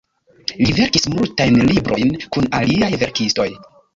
Li verkis multajn librojn kun aliaj verkistoj.